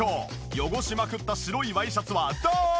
汚しまくった白いワイシャツはどうなる！？